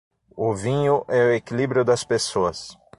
O vinho é o equilíbrio das pessoas.